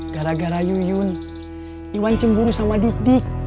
gara gara yuyun iwan cemburu sama didik